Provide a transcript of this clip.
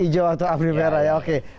ijo atau abri merah ya oke